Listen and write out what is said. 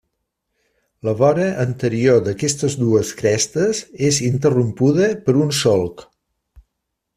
La vora anterior d'aquestes dues crestes és interrompuda per un solc.